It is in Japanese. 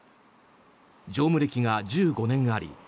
乗務歴が１５年あり